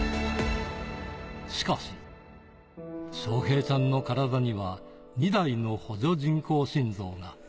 しかし、翔平ちゃんの体には２台の補助人工心臓が。